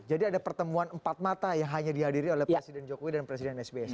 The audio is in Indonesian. jadi ada pertemuan empat mata yang hanya dihadiri oleh presiden jokowi dan presiden sbi